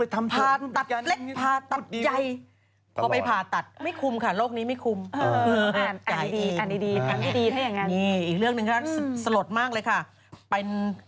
ต้องครอบคลุมดี